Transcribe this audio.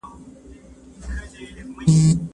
د نهادونو اړیکې باید وڅېړل سي.